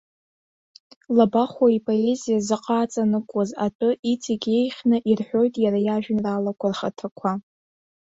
Лабахәуа ипоезиа заҟа аҵанакуаз атәы иҵегьы еиӷьны ирҳәоит иара иажәеинраалақәа рхаҭақәа.